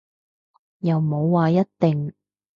又冇話一定